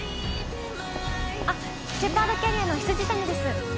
あっシェパードキャリアの未谷です。